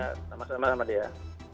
ya selamat malam mbak dea